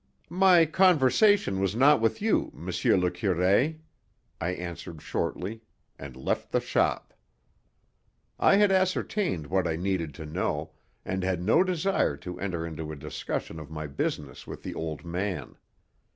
"My conversation was not with you, monsieur le curé," I answered shortly, and left the shop. I had ascertained what I needed to know, and had no desire to enter into a discussion of my business with the old man.